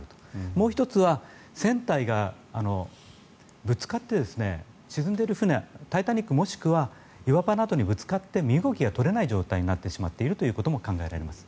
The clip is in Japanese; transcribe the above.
もう１つは、船体がぶつかって沈んでいる船「タイタニック」もしくは岩場などにぶつかって身動きが取れない状態になってしまっていることも考えられます。